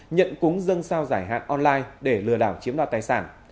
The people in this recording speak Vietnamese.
nhận cúng dân sao giải hạn online để lừa đảo chiếm đoạt tài sản